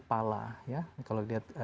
pala kalau kita lihat